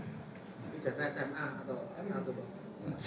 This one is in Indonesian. ijazah sma atau sma